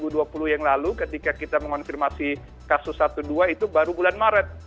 tahun yang lalu ketika kita mengonfirmasi kasus satu dua itu baru bulan maret